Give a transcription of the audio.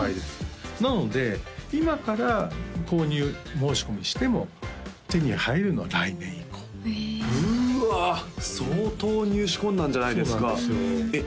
なので今から購入申し込みしても手に入るのは来年以降うわ相当入手困難じゃないですかえっ？